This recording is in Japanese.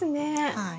はい。